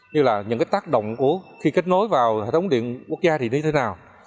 như là những tác động khi kết nối vào hệ thống điện quốc gia